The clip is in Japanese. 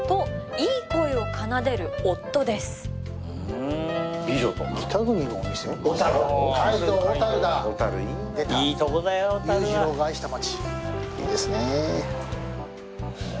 いいですね。